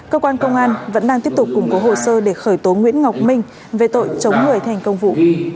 cơ quan công an vẫn đang tiếp tục củng cố hồ sơ để khởi tố nguyễn ngọc minh về tội chống người thành công vụ